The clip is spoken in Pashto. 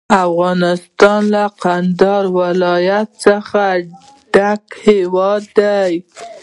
افغانستان له کندهار ولایت څخه ډک هیواد دی.